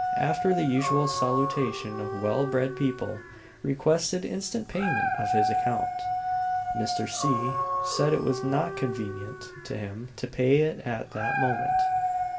after the usual salutation of well bred people, requested instant payment of his account. Mr. C. said it was not convenient to him to pay it at that moment.